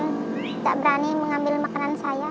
tidak berani mengambil makanan saya